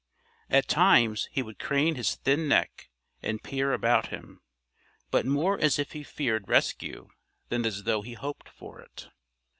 At times he would crane his thin neck and peer about him, but more as if he feared rescue than as though he hoped for it.